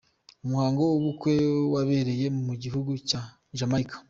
Umuhango w’ubukwe wabereye mu gihugu cya Jamaica.